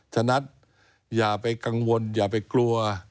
ฉะนั้นอย่าไปกังวลอย่าไปกลัว